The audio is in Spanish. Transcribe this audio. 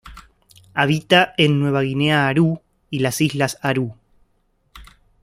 Habita en Nueva Guinea Aru y las islas Aru.